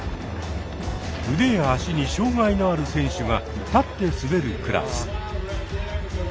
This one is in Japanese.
腕や足に障がいのある選手が立って滑るクラス。